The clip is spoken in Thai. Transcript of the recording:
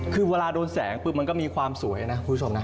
คือเวลาโดนแสงปุ๊บมันก็มีความสวยนะคุณผู้ชมนะ